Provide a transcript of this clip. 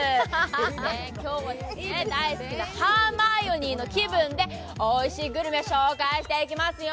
今日も大好きなハーマイオニーの気分でおいしいグルメ紹介していきますよ。